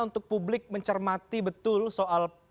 untuk publik mencermati betul soal